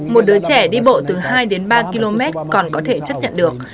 một đứa trẻ đi bộ từ hai đến ba km còn có thể chấp nhận được